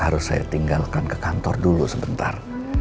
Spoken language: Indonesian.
harus saya tinggalkan ke kantor dulu sebentar